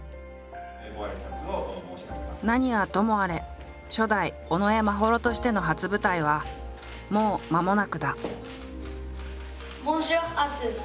何はともあれ初代尾上眞秀としての初舞台はもうまもなくだ。